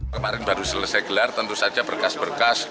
kemarin baru selesai gelar tentu saja berkas berkas